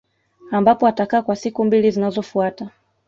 Ambapo atakaa kwa siku mbili zinazofuata